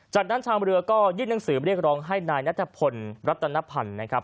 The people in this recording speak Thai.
จากนั้นชาวเรือก็ยื่นหนังสือเรียกร้องให้นายนัทพลรัตนพันธ์นะครับ